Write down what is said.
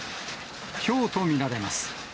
ひょうと見られます。